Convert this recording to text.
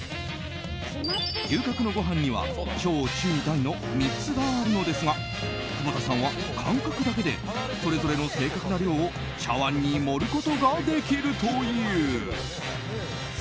牛角のごはんには小、中、大の３つがあるのですが久保田さんは感覚だけでそれぞれの正確な量を茶わんに盛ることができるという。